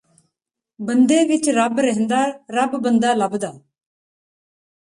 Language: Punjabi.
ਬੰਦੇ ਵਿੱਚ ਰੱਬ ਰਹਿੰਦਾ ਰੱਬ ਬੰਦਾ ਲੱਭਦਾ